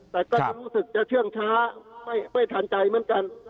แต่ก็จะรู้สึกจะเชื่องช้าไม่ทันใจเหมือนกัน